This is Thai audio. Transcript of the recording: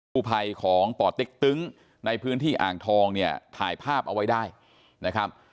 กู้ภัยของป่อเต็กตึ้งในพื้นที่อ่างทองเนี่ยถ่ายภาพเอาไว้ได้นะครับ